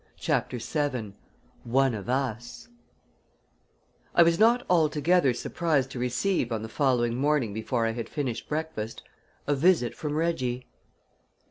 CHAPTER VII "ONE OF US" I was not altogether surprised to receive, on the following morning before I had finished breakfast, a visit from Reggie.